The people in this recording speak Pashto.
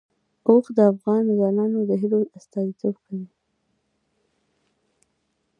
اوښ د افغان ځوانانو د هیلو استازیتوب کوي.